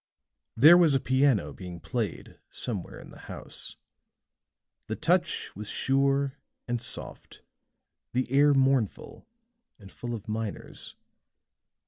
There was a piano being played somewhere in the house; the touch was sure and soft, the air mournful and full of minors.